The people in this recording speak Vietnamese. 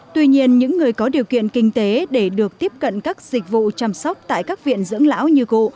tuy nhiên những người có điều kiện kinh tế để được tiếp cận các dịch vụ chăm sóc tại các viện dưỡng lão như cụ